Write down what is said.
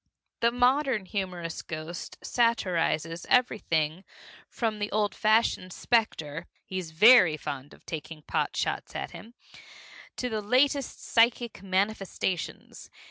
The modern humorous ghost satirizes everything from the old fashioned specter (he's very fond of taking pot shots at him) to the latest psychic manifestations.